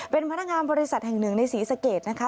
เป็นพนักงานบริษัทแห่งหนึ่งในศรีสะเกดนะคะ